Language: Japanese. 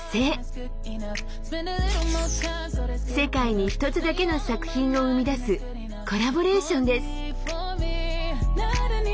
世界に一つだけの作品を生み出すコラボレーションです。